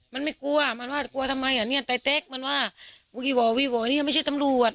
มันไม่กลัวมันว่ากลัวทำไมเนี่ยไตรเต็กมันว่าวิวอวิวอวนี่มันไม่ใช่ตำรวจ